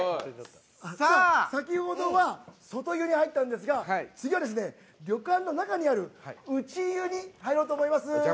先ほどは外湯に入ったんですが次は旅館の中にある内湯に入ろうと思います。